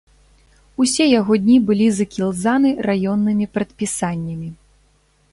Усе яго дні былі закілзаны раённымі прадпісаннямі.